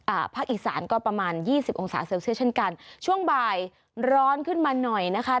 ภาคอีสานก็ประมาณยี่สิบองศาเซลเซียสเช่นกันช่วงบ่ายร้อนขึ้นมาหน่อยนะคะ